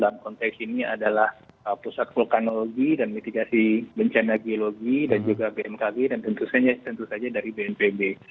dalam konteks ini adalah pusat vulkanologi dan mitigasi bencana geologi dan juga bmkg dan tentu saja dari bnpb